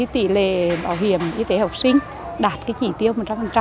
tỷ lệ bảo hiểm y tế học sinh đạt chỉ tiêu một trăm linh